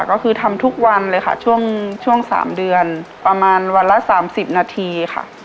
ก็คือทำทุกวันเลยค่ะช่วง๓เดือนประมาณวันละ๓๐นาทีค่ะ